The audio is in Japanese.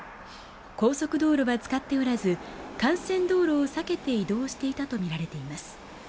高速道路は使っておらず幹線道路を避けて移動していたとみられています。